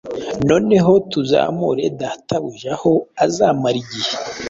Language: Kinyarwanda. Noneho tuzamure databujaaho azamara igihe